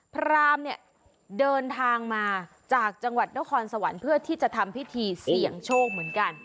พรามเนี่ยเดินทางมาจากจังหวัดนครสวรรค์เพื่อที่จะทำพิธีเสี่ยงโชคเหมือนกัน